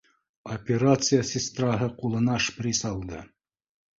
Операция сестраһы ҡулына шприц алды